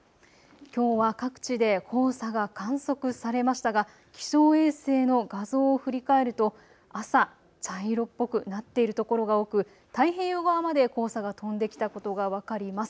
きょうは各地で黄砂が観測されましたが気象衛星の画像を振り返ると朝、茶色っぽくなっている所が多く太平洋側まで黄砂が飛んできたことが分かります。